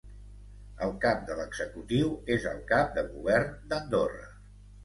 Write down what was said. El cap de l'executiu és el Cap de Govern d'Andorra.